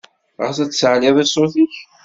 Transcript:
Ɣas ad tsaɛliḍ i ṣṣut-ik?